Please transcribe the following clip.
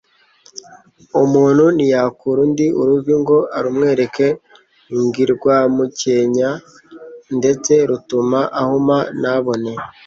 Umuntu ntiyakura undi uruvi ngo arumwereke, ngi rwamukenya, ndetse rutuma ahuma ntabone